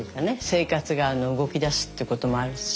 生活が動きだすっていうこともあるし